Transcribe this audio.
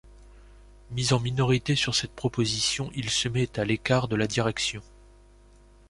Mis en minorité sur cette proposition il se met à l’écart de la direction.